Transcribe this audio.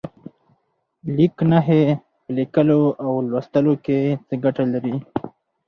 لیک نښې په لیکلو او لوستلو کې څه ګټه لري؟